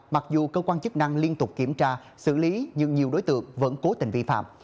mặc dù cơ quan chức năng liên tục kiểm tra xử lý nhưng nhiều đối tượng vẫn cố tình vi phạm